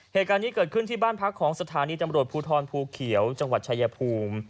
เหตุการณ์นี้เกิดขึ้นที่บ้านพักของสถานีตำรวจภูทรภูเขียวจังหวัดชายภูมิ